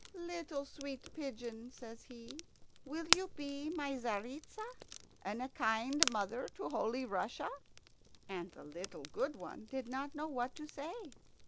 "Little sweet pigeon," says he, "will you be my Tzaritza, and a kind mother to Holy Russia?" And the little good one did not know what to say.